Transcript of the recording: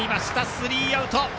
スリーアウト。